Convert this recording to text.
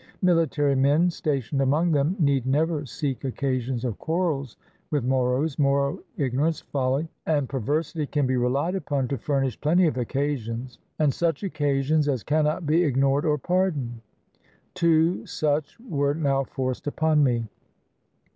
Mihtary men stationed among them need never seek occasions of quarrels with Moros. Moro ignorance, folly, and per versity can be relied upon to furnish plenty of occasions, and such occasions as cannot be ignored or pardoned. Two such were now forced upon me.